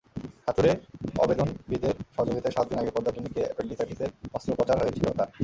হাতুড়ে অবেদনবিদের সহযোগিতায় সাত দিন আগে পদ্মা ক্লিনিকে অ্যাপেন্ডিসাইটিসের অস্ত্রোপচার হয়েছিল তাঁর।